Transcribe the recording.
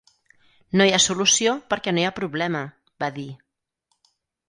"No hi ha solució perquè no hi ha problema", va dir.